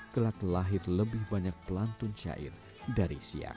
kelak lelahir lebih banyak pelantun syair dari siang